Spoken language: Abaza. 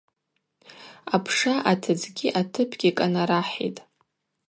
Апша атыдзгьи атыпгьи кӏанарахӏитӏ.